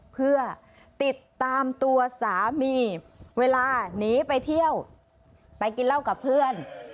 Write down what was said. เพื่อติดตามตัวสามีเวลาหนีไปเที่ยวไปกินเหล้ากับเพื่อน